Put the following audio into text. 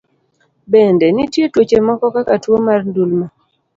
Bende, nitie tuoche moko kaka tuo mar ndulme.